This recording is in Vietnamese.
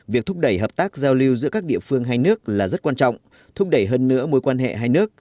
việc thúc đẩy hợp tác giao lưu giữa các địa phương hai nước là rất quan trọng thúc đẩy hơn nữa mối quan hệ hai nước